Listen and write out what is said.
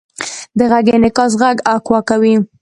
د غږ انعکاس غږ اکو کوي.